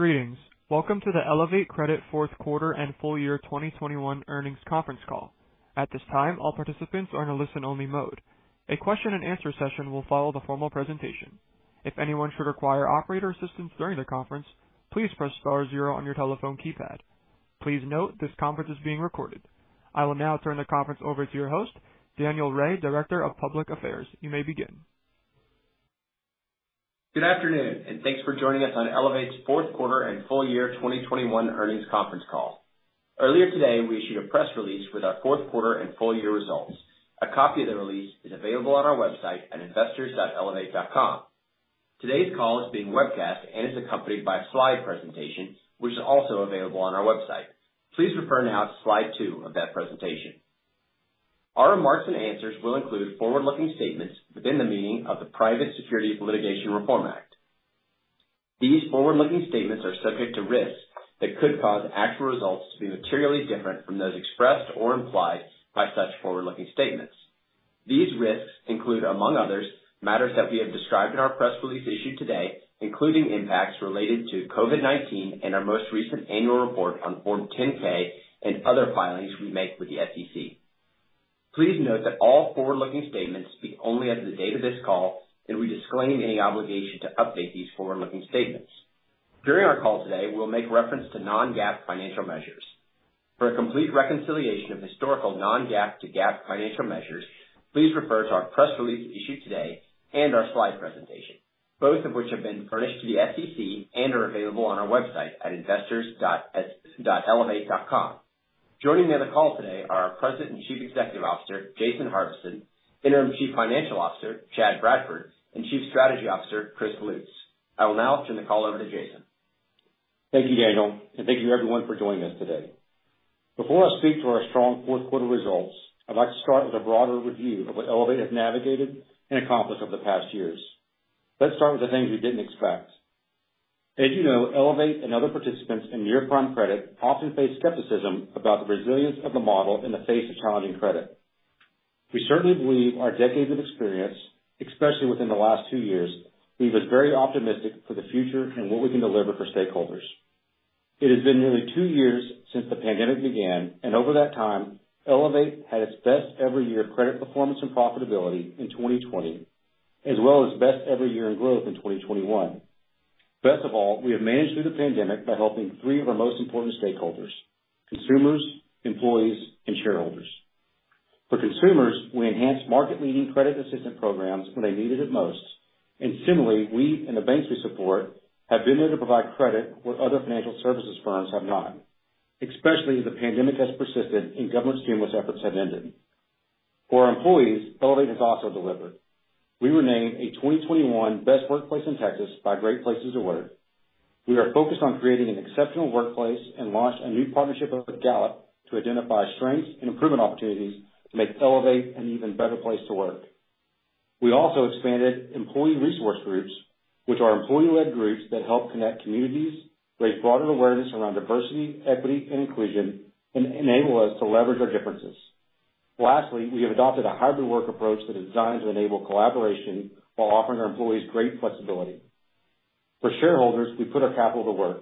Greetings. Welcome to the Elevate Credit Q4 and full year 2021 earnings conference call. At this time, all participants are in a listen-only mode. A question and answer session will follow the formal presentation. If anyone should require operator assistance during the conference, please press star zero on your telephone keypad. Please note this conference is being recorded. I will now turn the conference over to your host, Daniel Ray, Director of Public Affairs. You may begin. Good afternoon, and thanks for joining us on Elevate's Q4 and full year 2021 earnings conference call. Earlier today, we issued a press release with our Q4 and full year results. A copy of the release is available on our website at investors.elevate.com. Today's call is being webcast and is accompanied by a slide presentation, which is also available on our website. Please refer now to slide 2 of that presentation. Our remarks and answers will include forward-looking statements within the meaning of the Private Securities Litigation Reform Act. These forward-looking statements are subject to risks that could cause actual results to be materially different from those expressed or implied by such forward-looking statements. These risks include, among others, matters that we have described in our press release issued today, including impacts related to COVID-19 and our most recent annual report on Form 10-K and other filings we make with the SEC. Please note that all forward-looking statements speak only as of the date of this call, and we disclaim any obligation to update these forward-looking statements. During our call today, we'll make reference to non-GAAP financial measures. For a complete reconciliation of historical non-GAAP to GAAP financial measures, please refer to our press release issued today and our slide presentation, both of which have been furnished to the SEC and are available on our website at investors.elevate.com. Joining me on the call today are our President and Chief Executive Officer, Jason Harvison, Interim Chief Financial Officer, Chad Bradford, and Chief Strategy Officer, Chris Lutes. I will now turn the call over to Jason. Thank you, Daniel, and thank you everyone for joining us today. Before I speak to our strong Q4 results, I'd like to start with a broader review of what Elevate has navigated and accomplished over the past years. Let's start with the things we didn't expect. As you know, Elevate and other participants in near-prime credit often face skepticism about the resilience of the model in the face of challenging credit. We certainly believe our decades of experience, especially within the last two years, leave us very optimistic for the future and what we can deliver for stakeholders. It has been nearly two years since the pandemic began, and over that time, Elevate had its best ever year credit performance and profitability in 2020, as well as best ever year in growth in 2021. Best of all, we have managed through the pandemic by helping three of our most important stakeholders, consumers, employees, and shareholders. For consumers, we enhanced market-leading credit assistance programs when they needed it most. Similarly, we and the banks we support have been there to provide credit where other financial services firms have not, especially as the pandemic has persisted and government stimulus efforts have ended. For our employees, Elevate has also delivered. We were named a 2021 Best Workplace in Texas by Great Place to Work. We are focused on creating an exceptional workplace and launched a new partnership with Gallup to identify strengths and improvement opportunities to make Elevate an even better place to work. We also expanded employee resource groups, which are employee-led groups that help connect communities, raise broader awareness around diversity, equity, and inclusion, and enable us to leverage our differences. Lastly, we have adopted a hybrid work approach that is designed to enable collaboration while offering our employees great flexibility. For shareholders, we put our capital to work.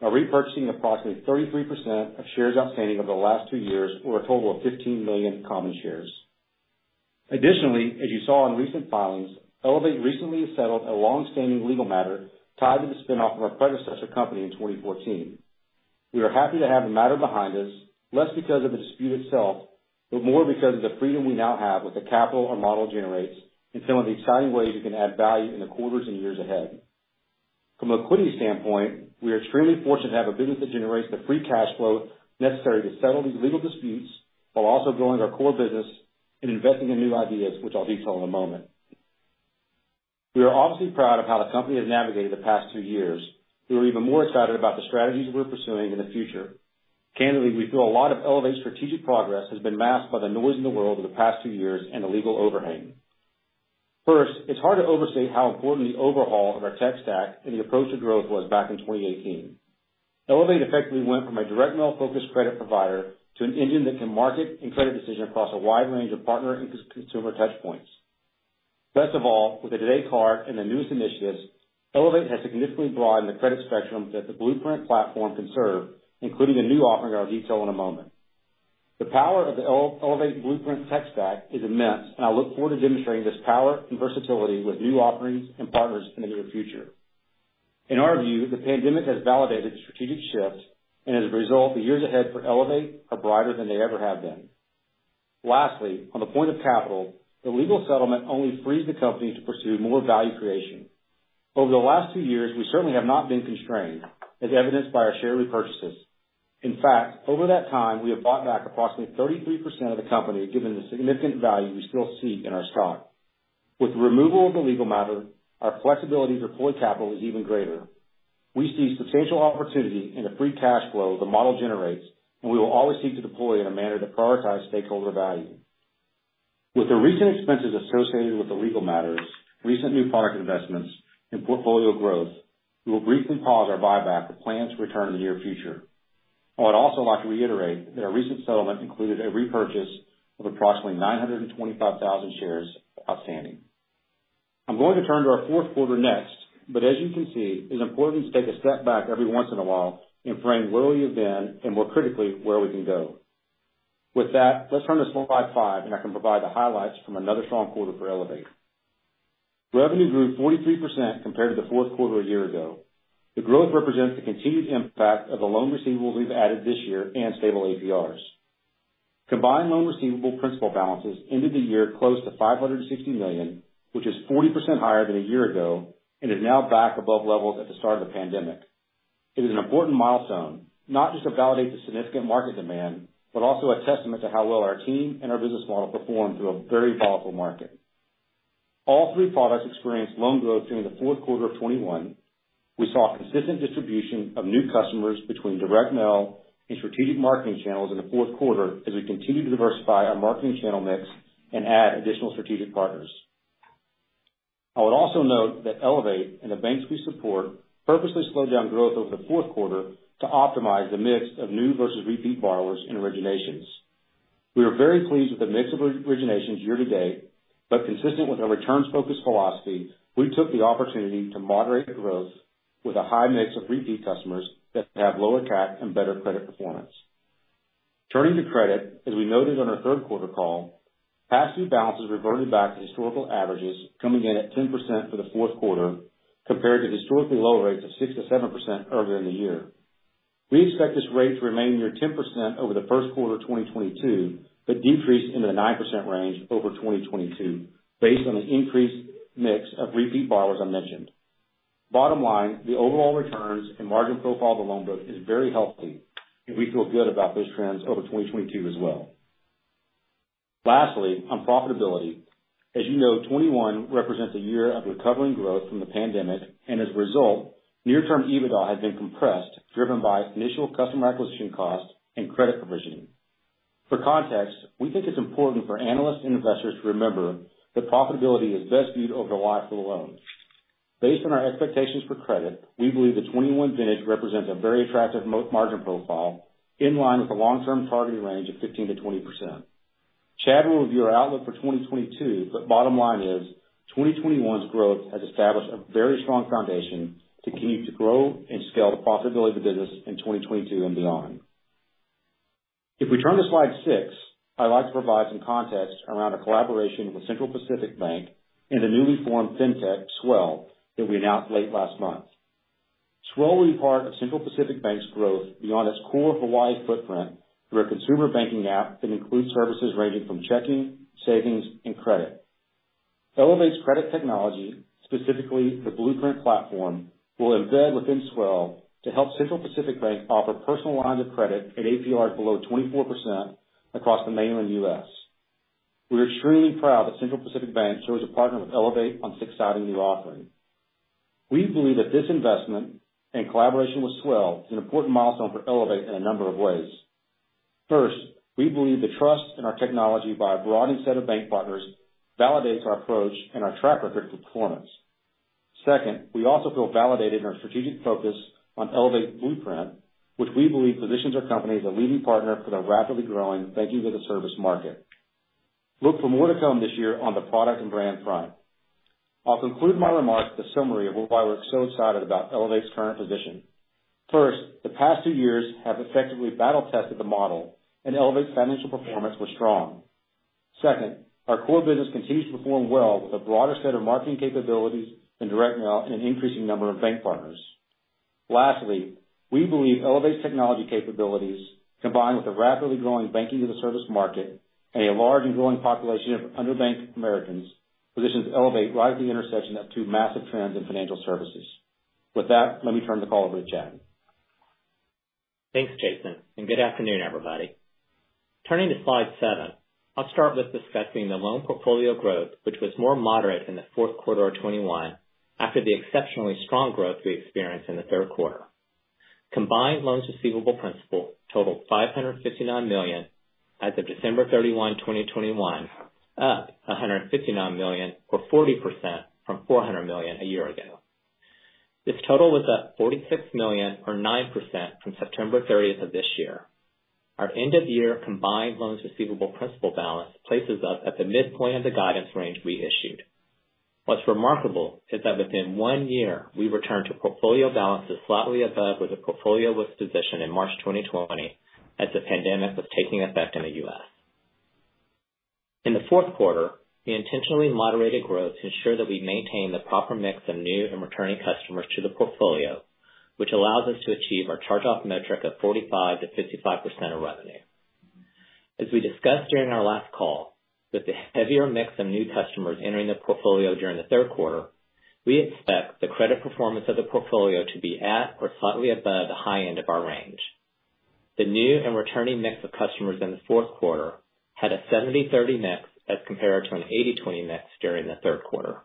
By repurchasing approximately 33% of shares outstanding over the last two years, or a total of 15 million common shares. Additionally, as you saw in recent filings, Elevate recently settled a long-standing legal matter tied to the spin-off of our predecessor company in 2014. We are happy to have the matter behind us, less because of the dispute itself, but more because of the freedom we now have with the capital our model generates and some of the exciting ways we can add value in the quarters and years ahead. From a liquidity standpoint, we are extremely fortunate to have a business that generates the free cash flow necessary to settle these legal disputes while also growing our core business and investing in new ideas, which I'll detail in a moment. We are obviously proud of how the company has navigated the past two years. We are even more excited about the strategies we're pursuing in the future. Candidly, we feel a lot of Elevate's strategic progress has been masked by the noise in the world over the past two years and the legal overhang. First, it's hard to overstate how important the overhaul of our tech stack and the approach to growth was back in 2018. Elevate effectively went from a direct mail-focused credit provider to an engine that can market and credit decision across a wide range of partner and consumer touch points. Best of all, with the Today Card and the newest initiatives, Elevate has significantly broadened the credit spectrum that the Blueprint platform can serve, including a new offering I'll detail in a moment. The power of the Elevate Blueprint tech stack is immense, and I look forward to demonstrating this power and versatility with new offerings and partners in the near future. In our view, the pandemic has validated strategic shifts, and as a result, the years ahead for Elevate are brighter than they ever have been. Lastly, on the point of capital, the legal settlement only frees the company to pursue more value creation. Over the last two years, we certainly have not been constrained, as evidenced by our share repurchases. In fact, over that time, we have bought back approximately 33% of the company, given the significant value we still see in our stock. With the removal of the legal matter, our flexibility to deploy capital is even greater. We see substantial opportunity in the free cash flow the model generates, and we will always seek to deploy in a manner that prioritizes stakeholder value. With the recent expenses associated with the legal matters, recent new product investments, and portfolio growth, we will briefly pause our buyback but plan to return in the near future. I would also like to reiterate that our recent settlement included a repurchase of approximately 925,000 shares outstanding. I'm going to turn to our Q4 next, but as you can see, it's important to take a step back every once in a while and frame where we have been and more critically, where we can go. With that, let's turn to slide 5, and I can provide the highlights from another strong quarter for Elevate. Revenue grew 43% compared to the Q4 a year ago. The growth represents the continued impact of the loan receivables we've added this year and stable APRs. Combined loans receivable principal balances ended the year close to $560 million, which is 40% higher than a year ago and is now back above levels at the start of the pandemic. It is an important milestone, not just to validate the significant market demand, but also a testament to how well our team and our business model performed through a very volatile market. All three products experienced loan growth during the Q4 of 2021. We saw a consistent distribution of new customers between direct mail and strategic marketing channels in the Q4 as we continue to diversify our marketing channel mix and add additional strategic partners. I would also note that Elevate and the banks we support purposely slowed down growth over the Q4 to optimize the mix of new versus repeat borrowers and originations. We are very pleased with the mix of re-originations year to date, but consistent with our returns-focused philosophy, we took the opportunity to moderate the growth with a high mix of repeat customers that have lower CAC and better credit performance. Turning to credit, as we noted on our Q3 call, past due balances reverted back to historical averages coming in at 10% for the Q4 compared to historically low rates of 6%-7% earlier in the year. We expect this rate to remain near 10% over the Q1 of 2022, but decrease into the 9% range over 2022 based on an increased mix of repeat borrowers I mentioned. Bottom line, the overall returns and margin profile of the loan book is very healthy, and we feel good about those trends over 2022 as well. Lastly, on profitability. As you know, 2021 represents a year of recovering growth from the pandemic, and as a result, near-term EBITDA has been compressed, driven by initial customer acquisition costs and credit provisioning. For context, we think it's important for analysts and investors to remember that profitability is best viewed over the life of the loan. Based on our expectations for credit, we believe the 2021 vintage represents a very attractive margin profile in line with the long-term targeting range of 15%-20%. Chad will review our outlook for 2022, but bottom line is, 2021's growth has established a very strong foundation to continue to grow and scale the profitability of the business in 2022 and beyond. If we turn to slide 6, I'd like to provide some context around a collaboration with Central Pacific Bank and the newly formed fintech, Swell, that we announced late last month. Swell will be part of Central Pacific Bank's growth beyond its core Hawaii footprint through a consumer banking app that includes services ranging from checking, savings, and credit. Elevate's credit technology, specifically the Blueprint platform, will embed within Swell to help Central Pacific Bank offer personal lines of credit at APRs below 24% across the mainland U.S. We're extremely proud that Central Pacific Bank chose to partner with Elevate on this exciting new offering. We believe that this investment and collaboration with Swell is an important milestone for Elevate in a number of ways. First, we believe the trust in our technology by a broadening set of bank partners validates our approach and our track record for performance. Second, we also feel validated in our strategic focus on Elevate Blueprint, which we believe positions our company as a leading partner for the rapidly growing banking-as-a-service market. Look for more to come this year on the product and brand front. I'll conclude my remarks with a summary of why we're so excited about Elevate's current position. First, the past two years have effectively battle-tested the model, and Elevate's financial performance was strong. Second, our core business continues to perform well with a broader set of marketing capabilities than direct mail and an increasing number of bank partners. Lastly, we believe Elevate's technology capabilities, combined with the rapidly growing Banking-as-a-Service market and a large and growing population of underbanked Americans, positions Elevate right at the intersection of two massive trends in financial services. With that, let me turn the call over to Chad. Thanks, Jason, and good afternoon, everybody. Turning to slide 7, I'll start with discussing the loan portfolio growth, which was more moderate in the Q4 of 2021 after the exceptionally strong growth we experienced in the Q3. Combined loans receivable principal totaled $559 million as of December 31, 2021, up $159 million or 40% from $400 million a year ago. This total was up $46 million or 9% from September 30 of this year. Our end-of-year combined loans receivable principal balance places us at the midpoint of the guidance range we issued. What's remarkable is that within one year, we returned to portfolio balances slightly above where the portfolio was positioned in March 2020 as the pandemic was taking effect in the U.S. In the Q4, we intentionally moderated growth to ensure that we maintain the proper mix of new and returning customers to the portfolio, which allows us to achieve our charge-off metric of 45%-55% of revenue. As we discussed during our last call, with the heavier mix of new customers entering the portfolio during the Q3, we expect the credit performance of the portfolio to be at or slightly above the high end of our range. The new and returning mix of customers in the Q4 had a 70-30 mix as compared to an 80-20 mix during the Q3.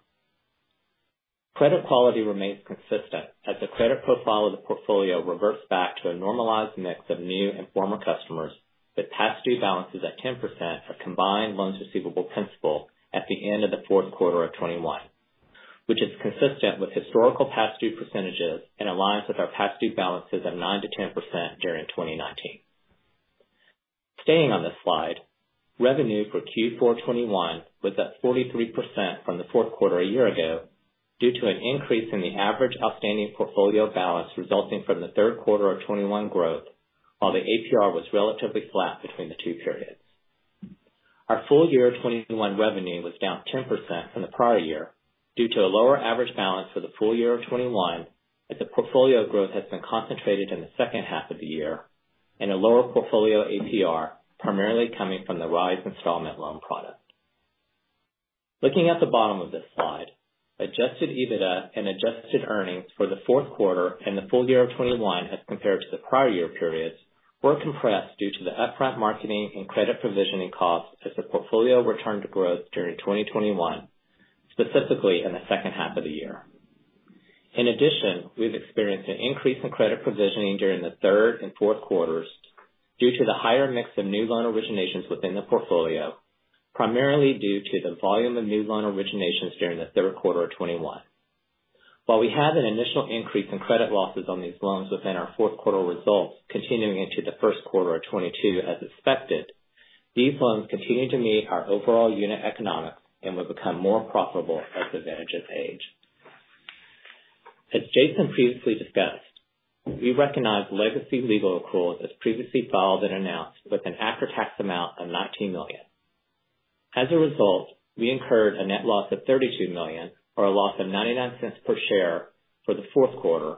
Credit quality remains consistent as the credit profile of the portfolio reverts back to a normalized mix of new and former customers, with past due balances at 10% for combined loans receivable principal at the end of the Q4 of 2021. Which is consistent with historical past due percentages and aligns with our past due balances of 9%-10% during 2019. Staying on this slide, revenue for Q4 2021 was up 43% from the Q4 a year ago due to an increase in the average outstanding portfolio balance resulting from the Q3 of 2021 growth, while the APR was relatively flat between the two periods. Our full year 2021 revenue was down 10% from the prior year due to a lower average balance for the full year of 2021, as the portfolio growth has been concentrated in the second half of the year, and a lower portfolio APR primarily coming from the RISE installment loan product. Looking at the bottom of this slide, Adjusted EBITDA and adjusted earnings for the Q4 and the full year of 2021 as compared to the prior year periods were compressed due to the upfront marketing and credit provisioning costs as the portfolio returned to growth during 2021, specifically in the second half of the year. In addition, we've experienced an increase in credit provisioning during the third and Q4s due to the higher mix of new loan originations within the portfolio, primarily due to the volume of new loan originations during the Q3 of 2021. While we had an initial increase in credit losses on these loans within our Q4 results continuing into the Q1 of 2022 as expected, these loans continue to meet our overall unit economics and will become more profitable as the vintages age. As Jason previously discussed, we recognize legacy legal accruals as previously filed and announced with an after-tax amount of $19 million. As a result, we incurred a net loss of $32 million, or a loss of $0.99 per share for the Q4,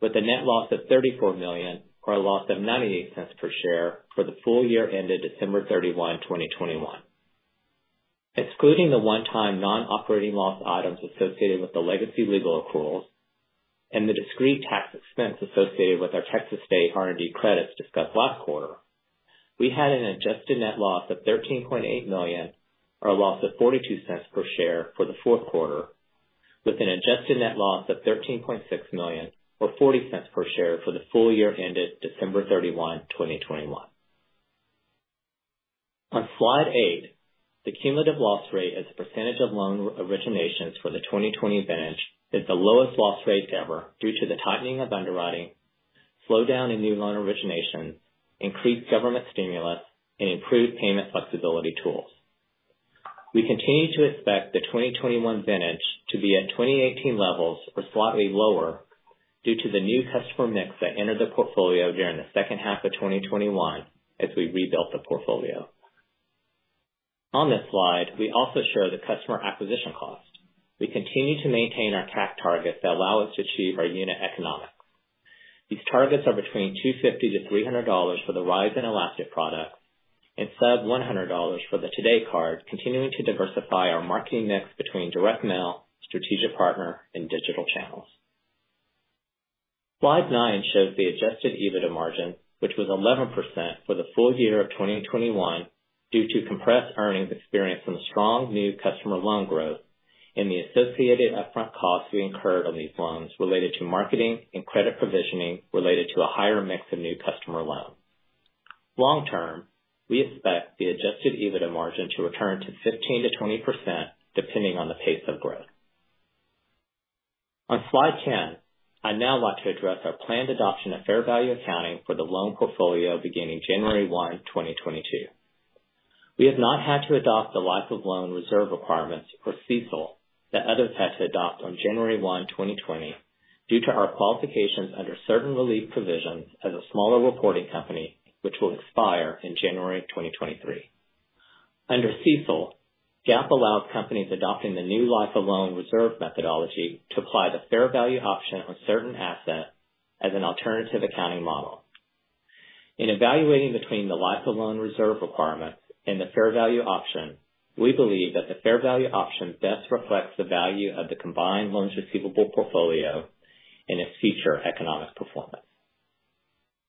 with a net loss of $34 million or a loss of $0.98 per share for the full year ended December 31, 2021. Excluding the one-time non-operating loss items associated with the legacy legal accruals and the discrete tax expense associated with our Texas state R&D credits discussed last quarter, we had an adjusted net loss of $13.8 million or a loss of $0.42 per share for the Q4, with an adjusted net loss of $13.6 million or $0.40 per share for the full year ended December 31, 2021. On slide eight, the cumulative loss rate as a percentage of loan originations for the 2020 vintage is the lowest loss rate ever due to the tightening of underwriting, slowdown in new loan origination, increased government stimulus, and improved payment flexibility tools. We continue to expect the 2021 vintage to be at 2018 levels or slightly lower due to the new customer mix that entered the portfolio during the second half of 2021 as we rebuilt the portfolio. On this slide, we also show the customer acquisition cost. We continue to maintain our CAC targets that allow us to achieve our unit economics. These targets are between $250-$300 for the RISE and Elastic product and sub-$100 for the Today Card, continuing to diversify our marketing mix between direct mail, strategic partner, and digital channels. Slide 9 shows the Adjusted EBITDA margin, which was 11% for the full year of 2021 due to compressed earnings experienced from the strong new customer loan growth and the associated upfront costs we incurred on these loans related to marketing and credit provisioning related to a higher mix of new customer loans. Long term, we expect the Adjusted EBITDA margin to return to 15%-20%, depending on the pace of growth. On slide 10, I now want to address our planned adoption of fair value accounting for the loan portfolio beginning January 1, 2022. We have not had to adopt the life of loan reserve requirements, or CECL, that others had to adopt on January 1, 2020, due to our qualifications under certain relief provisions as a smaller reporting company which will expire in January 2023. Under CECL, GAAP allows companies adopting the new life of loan reserve methodology to apply the fair value option on certain assets as an alternative accounting model. In evaluating between the life of loan reserve requirements and the fair value option, we believe that the fair value option best reflects the value of the combined loans receivable portfolio and its future economic performance.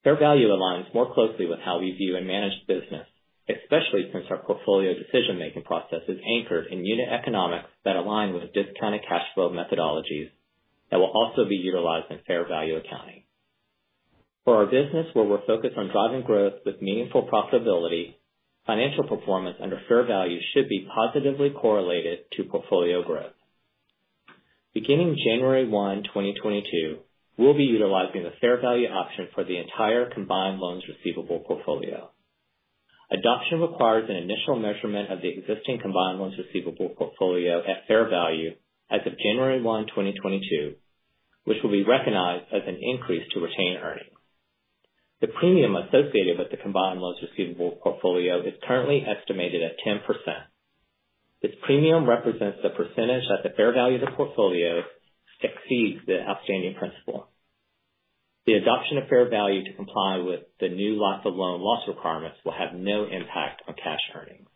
Fair value aligns more closely with how we view and manage the business, especially since our portfolio decision-making process is anchored in unit economics that align with discounted cash flow methodologies that will also be utilized in fair value accounting. For our business, where we're focused on driving growth with meaningful profitability, financial performance under fair value should be positively correlated to portfolio growth. Beginning January 1, 2022, we'll be utilizing the fair value option for the entire combined loans receivable portfolio. adoption requires an initial measurement of the existing combined loans receivable portfolio at fair value as of January 1, 2022, which will be recognized as an increase to retained earnings. The premium associated with the combined loans receivable portfolio is currently estimated at 10%. This premium represents the percentage that the fair value of the portfolio exceeds the outstanding principal. The adoption of fair value to comply with the new life of loan loss requirements will have no impact on cash earnings.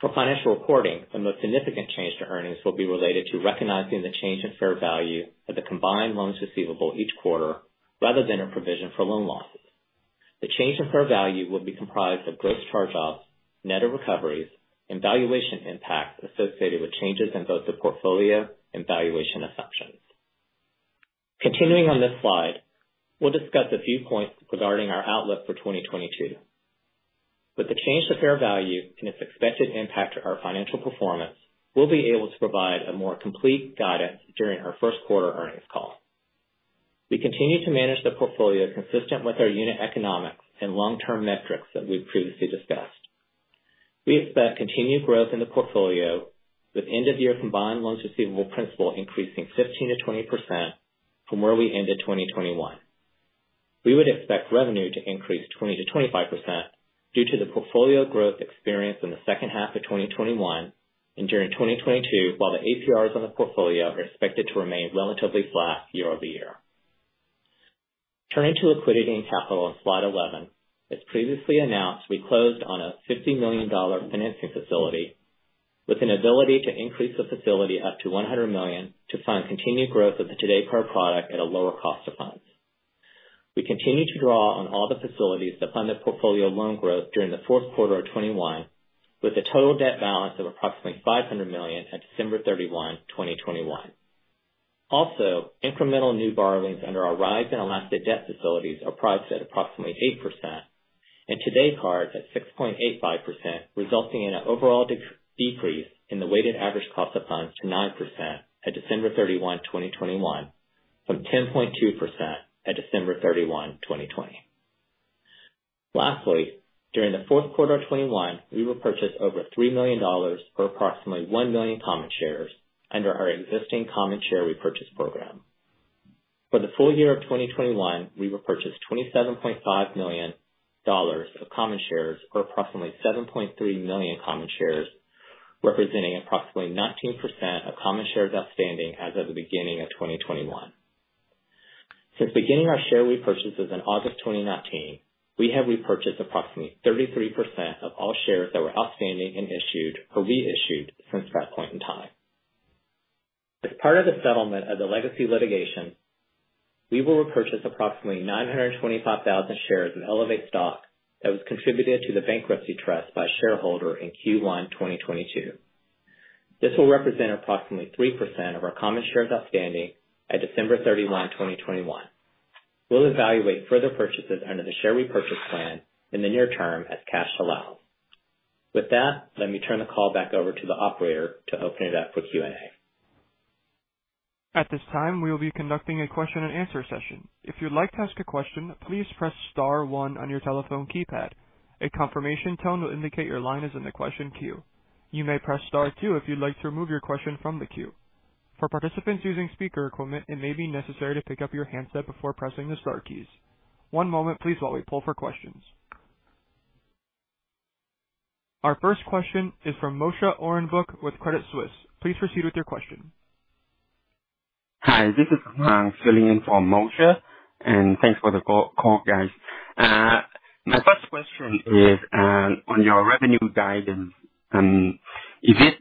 For financial reporting, the most significant change to earnings will be related to recognizing the change in fair value of the combined loans receivable each quarter, rather than a provision for loan losses. The change in fair value will be comprised of gross charge-offs, net of recoveries and valuation impacts associated with changes in both the portfolio and valuation assumptions. Continuing on this slide, we'll discuss a few points regarding our outlook for 2022. With the change to fair value and its expected impact to our financial performance, we'll be able to provide a more complete guidance during our Q1 earnings call. We continue to manage the portfolio consistent with our unit economics and long-term metrics that we've previously discussed. We expect continued growth in the portfolio with end-of-year combined loans receivable principal increasing 15%-20% from where we ended 2021. We would expect revenue to increase 20%-25% due to the portfolio growth experienced in the second half of 2021 and during 2022, while the APRs on the portfolio are expected to remain relatively flat year-over-year. Turning to liquidity and capital on slide 11. As previously announced, we closed on a $50 million financing facility with an ability to increase the facility up to $100 million to fund continued growth of the Today Card product at a lower cost of funds. We continue to draw on all the facilities to fund the portfolio loan growth during the Q4 of 2021, with a total debt balance of approximately $500 million at December 31, 2021. Incremental new borrowings under our RISE and Elastic debt facilities are priced at approximately 8% and Today Card's at 6.85%, resulting in an overall decrease in the weighted average cost of funds to 9% at December 31, 2021, from 10.2% at December 31, 2020. Lastly, during the Q4 of 2021, we repurchased over $3 million or approximately 1 million common shares under our existing common share repurchase program. For the full year of 2021, we repurchased $27.5 million of common shares or approximately 7.3 million common shares, representing approximately 19% of common shares outstanding as of the beginning of 2021. Since beginning our share repurchases in August 2019, we have repurchased approximately 33% of all shares that were outstanding and issued or reissued since that point in time. As part of the settlement of the legacy litigation, we will repurchase approximately 925,000 shares of Elevate stock that was contributed to the bankruptcy trust by a shareholder in Q1 2022. This will represent approximately 3% of our common shares outstanding at December 31, 2021. We'll evaluate further purchases under the share repurchase plan in the near term as cash allows. With that, let me turn the call back over to the operator to open it up for Q&A. At this time, we will be conducting a question and answer session. If you'd like to ask a question, please press star one on your telephone keypad. A confirmation tone will indicate your line is in the question queue. You may press star two if you'd like to remove your question from the queue. For participants using speaker equipment, it may be necessary to pick up your handset before pressing the star keys. One moment please while we poll for questions. Our first question is from Moshe Orenbuch with Credit Suisse. Please proceed with your question. Hi, this is Hang filling in for Moshe, and thanks for the call, guys. My first question is on your revenue guidance, is it?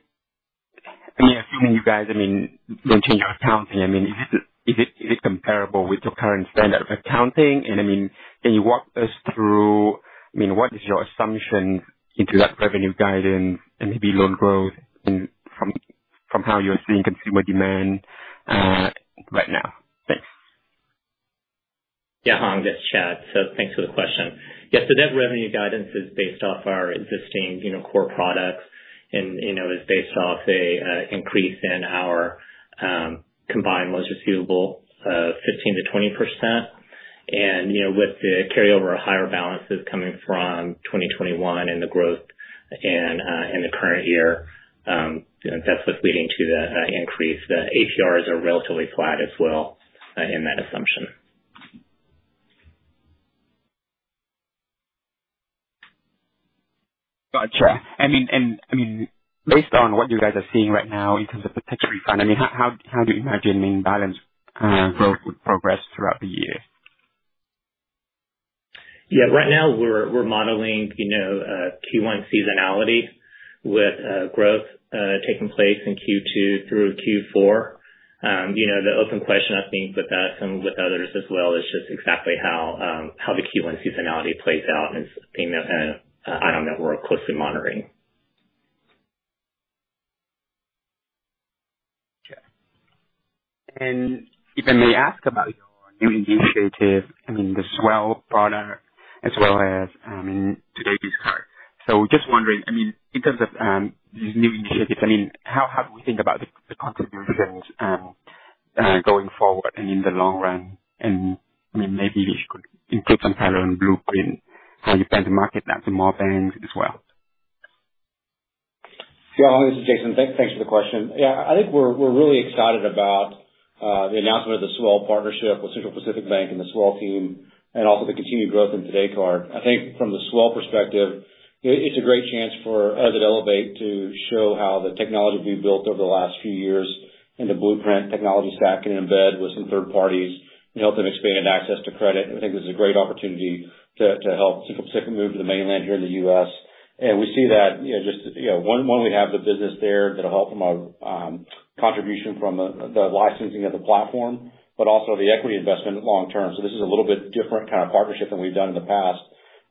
I mean, assuming you guys, I mean, don't change your accounting, I mean, is it comparable with your current standard of accounting? I mean, can you walk us through, I mean, what is your assumption into that revenue guidance and maybe loan growth from how you're seeing consumer demand right now? Thanks. Yeah. Hang, this is Chad. Thanks for the question. Yes, the net revenue guidance is based off our existing core products and is based off a increase in our combined loans receivable of 15%-20%. You know, with the carryover of higher balances coming from 2021 and the growth and in the current year that's what's leading to the increase. The APRs are relatively flat as well in that assumption. Gotcha. I mean, based on what you guys are seeing right now in terms of potential refi, I mean, how do you imagine, I mean, balance growth would progress throughout the year? Right now we're modeling Q1 seasonality with growth taking place in Q2 through Q4. You know, the open question I think with us and with others as well is just exactly how the Q1 seasonality plays out, and it's been an item that we're closely monitoring. Okay. If I may ask about your new initiative, I mean, the Swell product as well as Today Card. Just wondering, I mean, in terms of these new initiatives, I mean, how do we think about the contributions going forward and in the long run? I mean, maybe if you could include some color on Blueprint, how you plan to market that to more banks as well. Yeah. Hang, this is Jason. Thanks for the question. Yeah. I think we're really excited about the announcement of the Swell partnership with Central Pacific Bank and the Swell team and also the continued growth in Today Card. I think from the Swell perspective, it's a great chance for us at Elevate to show how the technology we've built over the last few years and the Blueprint technology stack can embed with some third parties and help them expand access to credit. I think this is a great opportunity to help Central Pacific move to the mainland here in the U.S. We see that just one, we have the business there that'll help from a contribution from the licensing of the platform, but also the equity investment long term. This is a little bit different kind of partnership than we've done in the past.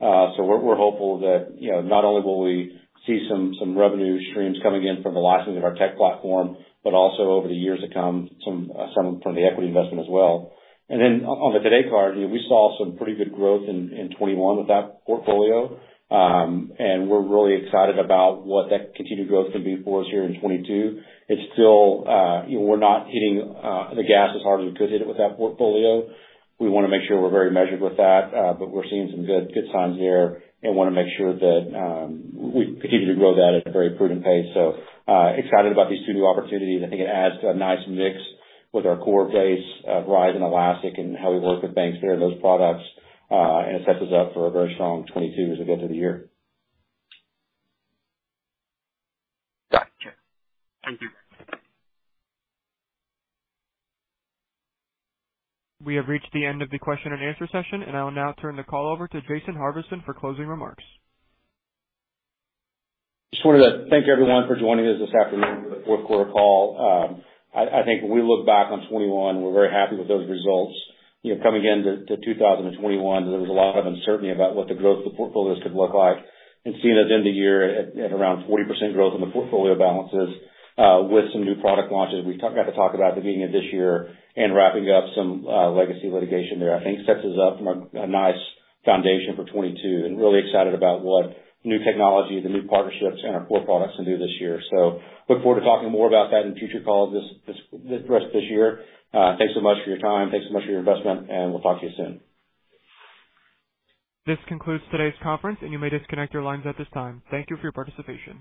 We're hopeful that not only will we see some revenue streams coming in from the licensing of our tech platform, but also over the years to come, some from the equity investment as well. On the Today card we saw some pretty good growth in 2021 with that portfolio. We're really excited about what that continued growth can be for us here in 2022. It's still we're not hitting the gas as hard as we could hit it with that portfolio. We wanna make sure we're very measured with that, but we're seeing some good signs there and wanna make sure that we continue to grow that at a very prudent pace. I'm excited about these two new opportunities. I think it adds a nice mix with our core base of RISE and Elastic and how we work with banks that are in those products, and it sets us up for a very strong 2022 as we go through the year. Gotcha. Thank you. We have reached the end of the question and answer session, and I will now turn the call over to Jason Harvison for closing remarks. Just wanted to thank everyone for joining us this afternoon for the Q4 call. I think when we look back on 2021, we're very happy with those results. You know, coming into 2021, there was a lot of uncertainty about what the growth of the portfolios could look like, and seeing us end the year at around 40% growth in the portfolio balances, with some new product launches we got to talk about at the beginning of this year and wrapping up some legacy litigation there, I think sets us up from a nice foundation for 2022. Really excited about what new technology, the new partnerships, and our core products can do this year. Look forward to talking more about that in future calls the rest of this year. Thanks so much for your time. Thanks so much for your investment, and we'll talk to you soon. This concludes today's conference, and you may disconnect your lines at this time. Thank you for your participation.